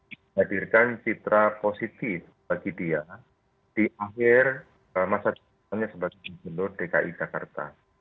menghadirkan citra positif bagi dia di akhir masa jabatannya sebagai gubernur dki jakarta